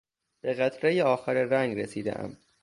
به قطرهی آخر رنگ رسیدهام.